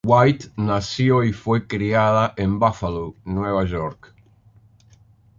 White nació y fue criada en Buffalo, Nueva York.